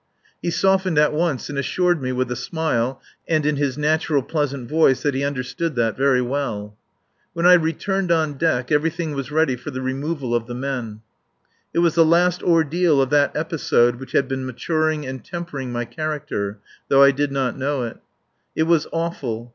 He softened at once and assured me with a smile and in his natural pleasant voice that he understood that very well. When I returned on deck everything was ready for the removal of the men. It was the last ordeal of that episode which had been maturing and tempering my character though I did not know it. It was awful.